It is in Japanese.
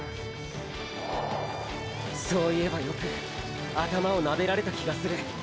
そういえばよく頭をなでられた気がする。